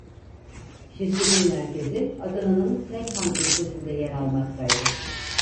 Şirketin merkezi Adana'nın Seyhan ilçesinde yer almaktaydı.